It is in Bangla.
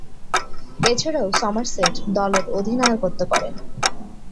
এছাড়াও, সমারসেট দলের অধিনায়কত্ব করেন।